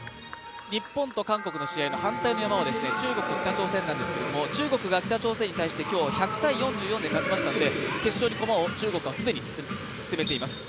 日本と韓国の試合の反対の山は中国と北朝鮮なんですけれども中国が北朝鮮に対して、今日、１００−４４で勝ちましたので決勝に駒を中国は既に進めています。